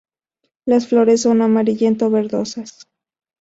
Las flores son amarillento-verdosas.